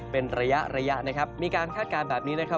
เป็นระยะนะครับ